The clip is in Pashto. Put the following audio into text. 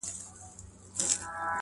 له آسمانه هاتف ږغ کړل چي احمقه!!